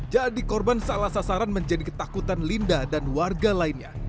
jadi korban salah sasaran menjadi ketakutan linda dan warga lainnya